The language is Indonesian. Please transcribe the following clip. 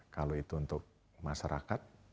kalau itu untuk masyarakat